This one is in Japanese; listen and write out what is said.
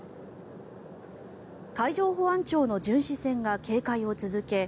海上保安庁の巡視船が警戒を続け